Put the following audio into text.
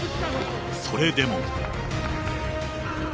それでも。